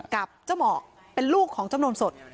กับเจ้าหมอกเป็นลูกของจำนวนสด